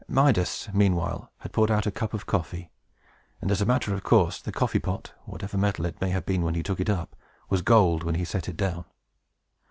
Midas, meanwhile, had poured out a cup of coffee, and, as a matter of course, the coffee pot, whatever metal it may have been when he took it up, was gold when he set it down.